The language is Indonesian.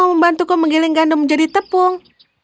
menggiling gandum menjadi tepung